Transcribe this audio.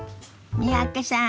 三宅さん